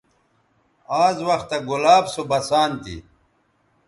آز وختہ گلاب سو بسان تھی